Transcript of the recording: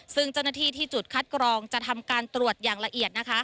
ซึ่งเจ้าหน้าที่ที่จุดคัดกรองจะทำการตรวจอย่างละเอียดนะคะ